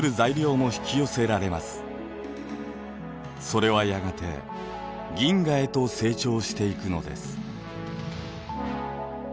それはやがて銀河へと成長していくのです。